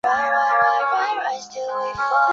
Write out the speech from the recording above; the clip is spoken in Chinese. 故事开端为第一季故事的七年之后。